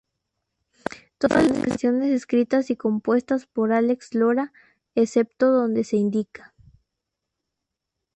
Todas las canciones escritas y compuestas por Alex Lora, excepto donde se indica.